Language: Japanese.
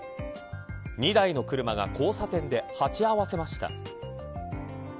２台の車が交差点で鉢合わせました。